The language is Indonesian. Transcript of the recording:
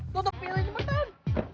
tutup pilih cepetan